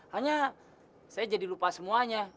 hanya saya jadi lupa semuanya